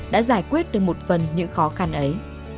đã giải quyết được một phần những khó khăn ấy